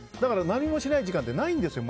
何もしない時間ってないんですよ